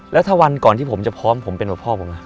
แล้วถ้าวันก่อนที่ผมจะพร้อมผมเป็นแบบพ่อผม